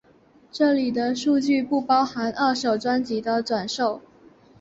这里的数据不包含二手专辑的转售。